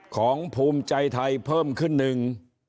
ภูมิใจไทยเพิ่มขึ้นหนึ่ง